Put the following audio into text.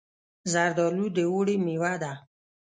زردالو د اوړي مېوه ده.